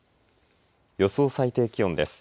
予想最低気温です。